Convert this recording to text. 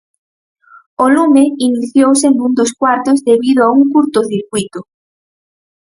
O lume iniciouse nun dos cuartos debido a un curtocircuíto.